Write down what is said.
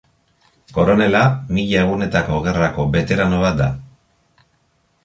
Koronela Mila Egunetako Gerrako beterano bat da.